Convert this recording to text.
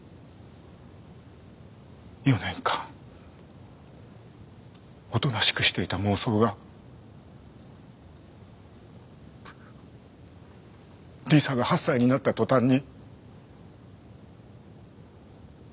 ４年間おとなしくしていた妄想が理沙が８歳になった途端に。